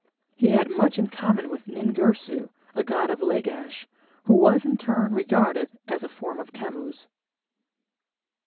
He had much in common with Nin Girsu, a god of Lagash, who was in turn regarded as a form of Tammuz.